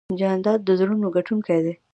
جانداد د زړونو ګټونکی دی.